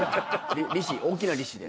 大きな利子で。